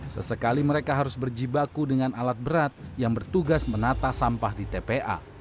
sesekali mereka harus berjibaku dengan alat berat yang bertugas menata sampah di tpa